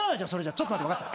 ちょっと待ってわかった。